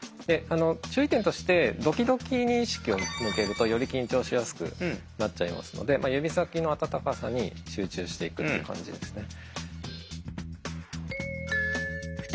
注意点としてドキドキに意識を向けるとより緊張しやすくなっちゃいますので指先の温かさに集中していくって感じですね。